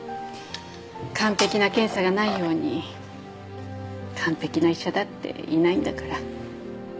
完璧な検査がないように完璧な医者だっていないんだから。